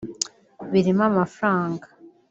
birimo amafaranga